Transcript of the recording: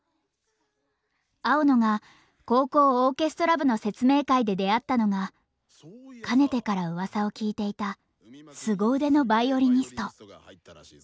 青野が高校オーケストラ部の説明会で出会ったのがかねてからうわさを聞いていたすご腕のヴァイオリニスト。